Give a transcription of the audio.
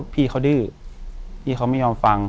พี่เขาดื้อพี่เขาไม่ยอมฟัง